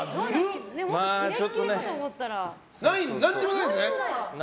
何もないんですね？